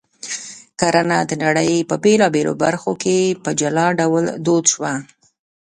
کرنه د نړۍ په بېلابېلو برخو کې په جلا ډول دود شوه